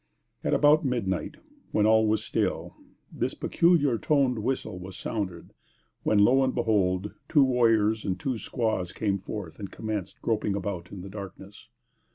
At about midnight, when all was still, this peculiar toned whistle was sounded, when lo and behold! two warriors and two squaws came forth and commenced groping about in the darkness.